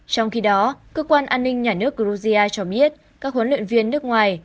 trong khi đó cơ quan an ninh nhà nước georgia cho biết các huấn luyện viên nước ngoài